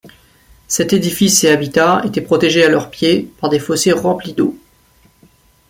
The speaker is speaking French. Cet édifice et habitats étaient protégés à leur pied, par des fossés remplis d'eau.